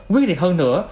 quyết định hơn nữa